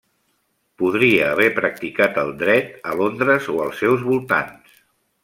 Podria haver practicat el dret a Londres o els seus voltants.